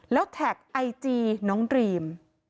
แล้วแท็กไอจีน้องดรีม